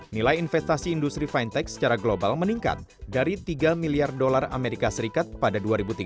nilai investasi industri fintech secara global meningkat dari tiga miliar dolar amerika serikat pada dua ribu tiga belas